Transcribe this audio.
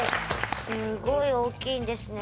すごい大きいんですね